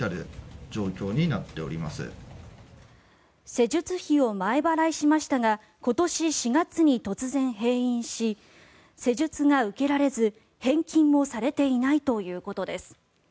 施術費を前払いしましたが今年４月に突然、閉院し施術が受けられず、返金もされていないということです。